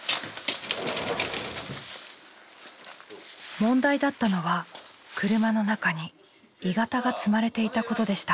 問題だったのは車の中に「鋳型」が積まれていたことでした。